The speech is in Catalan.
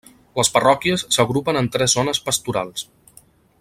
Les parròquies s'agrupen en tres zones pastorals: